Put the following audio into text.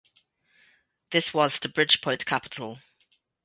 This was to Bridgepoint Capital.